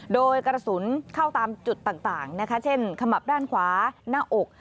โดยกระสุนเข้าตามจุดต่างนะคะเช่นขมับด้านขวาหน้าอก